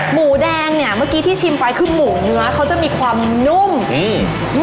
หมูแดงเนี้ยเมื่อกี้ที่ชิมไปคือหมูเนื้อเขาจะมีความนุ่มอืม